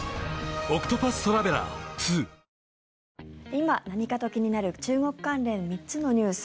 今、何かと気になる中国関連３つのニュース。